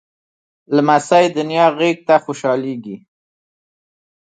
لمسی د نیا غېږ ته خوشحالېږي.